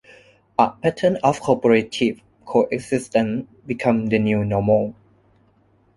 A pattern of cooperative coexistence became the new normal.